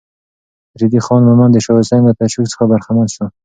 ريدی خان مومند د شاه حسين له تشويق څخه برخمن شو.